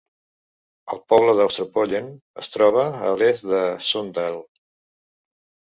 El poble d'Austrepollen es troba a l'est de Sunndal.